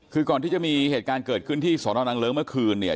คือก่อนที่จะมีเหตุการณ์เกิดขึ้นที่สนนางเลิ้งเมื่อคืนเนี่ย